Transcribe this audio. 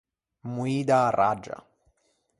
Moî da-a raggia.